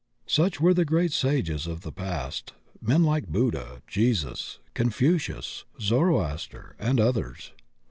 Such were the great Sages of the past, men like Buddha, Jesus, Confucius, Zoroaster, and others.